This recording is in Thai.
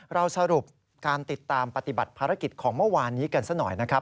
เราสรุปการติดตามปฏิบัติภารกิจของเมื่อวานนี้กันซะหน่อยนะครับ